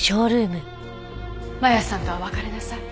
真弥さんとは別れなさい。